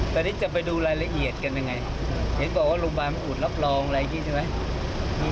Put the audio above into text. ตอนนี้จะไปดูรายละเอียดกันยังไงเห็นบอกว่าโรงพยาบาลอุดรับรองอะไรอย่างนี้ใช่ไหม